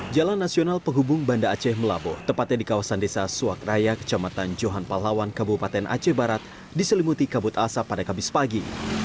jalan nasional penghubung banda aceh melabuh tepatnya di kawasan desa suwakraya kecamatan johan palawan kabupaten aceh barat diselimuti kabut asap pada kamis pagi